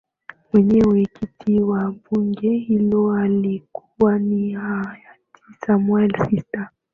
Mwenyekiti wa bunge hilo alikuwa ni hayati Samuel Sitta